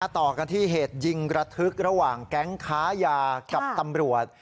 ต่อกันที่เหตุยิงระทึกระหว่างแก๊งค้ายากับตำรวจ